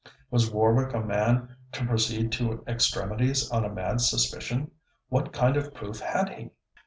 Was Warwick a man to proceed to extremities on a mad suspicion? What kind of proof had he?